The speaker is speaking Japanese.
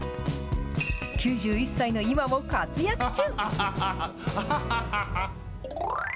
９１歳の今も活躍中。